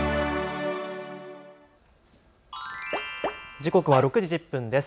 時刻は６時１０分です。